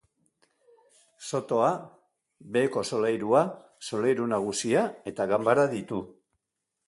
Sotoa, beheko solairua, solairu nagusia eta ganbara ditu.